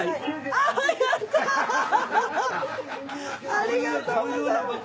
ありがとうございます。